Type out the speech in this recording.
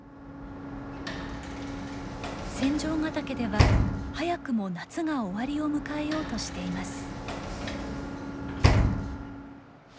仙丈ヶ岳では早くも夏が終わりを迎えようとしています。